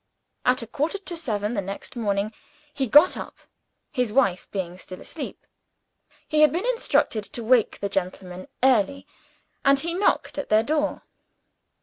At a quarter to seven the next morning, he got up; his wife being still asleep. He had been instructed to wake the gentlemen early; and he knocked at their door.